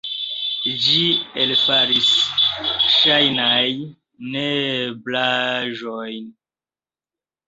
Ĝi elfaris ŝajnajn neeblaĵojn.